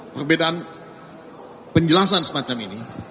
perbedaan penjelasan semacam ini